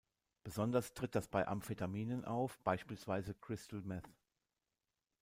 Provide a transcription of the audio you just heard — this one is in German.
Besonders tritt das bei Amphetaminen auf, beispielsweise Crystal-Meth.